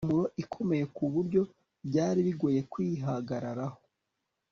impumuro ikomeye kuburyo byari bigoye kwihagararaho